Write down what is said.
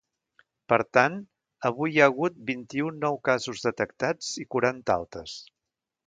Per tant, avui hi ha hagut vint-i-un nous casos detectats i quaranta altes.